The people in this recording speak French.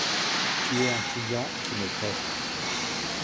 Tuer un client qui me paie !